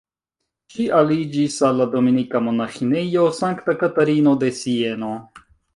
Ŝi aliĝis al la Dominika monaĥinejo Sankta Katarino de Sieno.